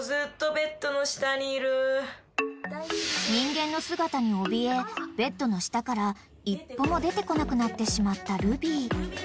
［人間の姿におびえベッドの下から一歩も出てこなくなってしまったルビー］